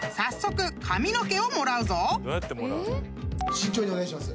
慎重にお願いします。